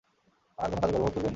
আর কোন কাজে গর্ববোধ করবেন?